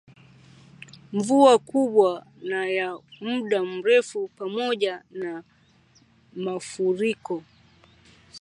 Mvua kubwa na ya muda mrefu pamoja na mafuriko